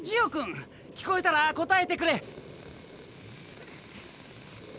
聞こえたら応えてくれ！